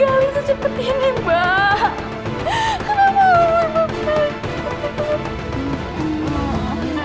enak nggak disebut siapa cuman kita doang yang bisa